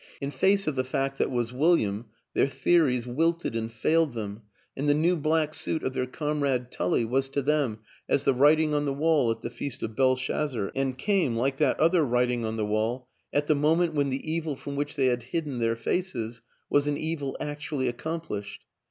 ... In face of the fact that was William their theories wilted and failed them, and the new black suit of their comrade Tully was to them as the writing on the wall at the feast of Belshazzar and came, like that other writing on the wall, at the moment when the evil from which they had hidden their faces was an evil actually accomplished.